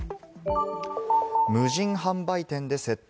無人販売店で窃盗。